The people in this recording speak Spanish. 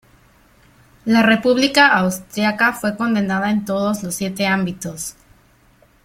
La república austriaca fue condenada en todos los siete ámbitos.